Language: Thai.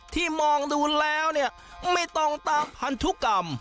มองดูแล้วเนี่ยไม่ต้องตามพันธุกรรม